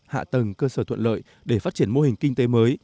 hạ tầng cơ sở thuận lợi để phát triển mô hình kinh tế mới